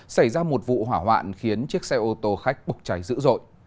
xảy ra một vụ hỏa hoạn khiến chiếc xe ô tô khách bốc cháy dữ dội